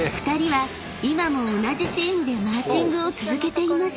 ［２人は今も同じチームでマーチングを続けていました］